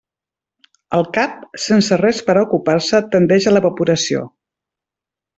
El cap, sense res per a ocupar-se, tendeix a l'evaporació.